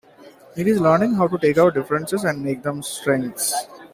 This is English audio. It is learning how to take our differences and make them strengths.